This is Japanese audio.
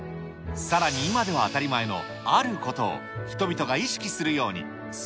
さらに今では当たり前のあることを、人々が意識するように。